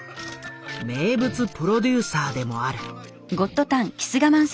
名物プロデューサーでもある。